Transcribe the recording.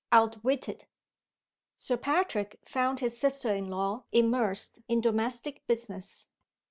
OUTWITTED. SIR PATRICK found his sister in law immersed in domestic business.